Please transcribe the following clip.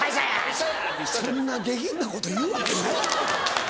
そんな下品なこと言うわけないやろ。